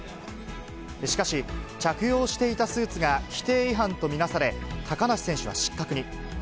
しかし、着用していたスーツが規定違反と見なされ、高梨選手は失格に。